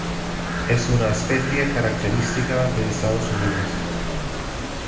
Es una especie característica de Estados Unidos.